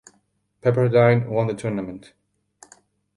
Pepperdine won the tournament.